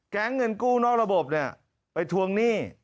แก๊งเงินกู้นอกระบบไปทวงหนี้